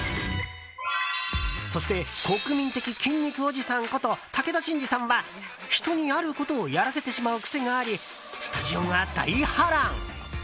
そして、国民的筋肉おじさんこと武田真治さんは人に、あることをやらせてしまう癖がありスタジオが大波乱。